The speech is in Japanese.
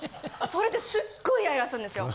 それですっごいイライラするんですよ。